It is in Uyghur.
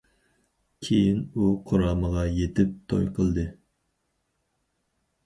كىيىن ئۇ قۇرامىغا يېتىپ توي قىلدى.